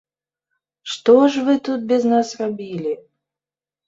Што ж вы тут без нас рабілі?